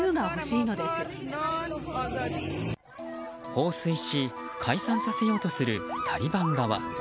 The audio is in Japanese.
放水し、解散させようとするタリバン側。